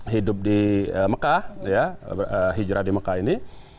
hidup di mekah hijrah di mekah ini